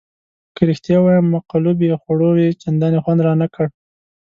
که رښتیا ووایم مقلوبې خوړو یې چندانې خوند رانه کړ.